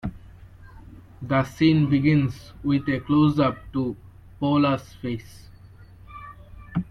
The scene begins with a closeup to Paula's face.